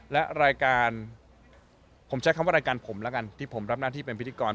และรายการผมใช้คำว่ารายการผมแล้วกันที่ผมรับหน้าที่เป็นพิธีกร